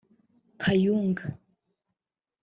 Kayunga